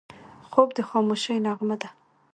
خوب د خاموشۍ نغمه ده